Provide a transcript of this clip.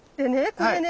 これね